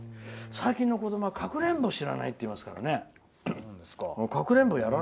最近の子どもはかくれんぼを知らないっていいますから。